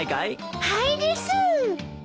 はいです！